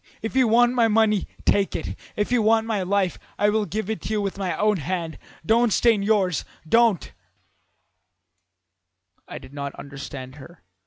If you want my money, take it; if you want my life, I will give it to you with my own hand. Don't stain yours don't ' "I did not understand her.